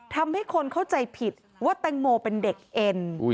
ทำให้คนเข้าใจผิดว่าแตงโมเป็นเด็กเอ็น